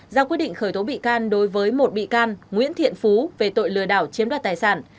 ra quyết định khởi tố bị can đối với một bị can nguyễn thiện phú về tội lừa đảo chiếm đoạt tài sản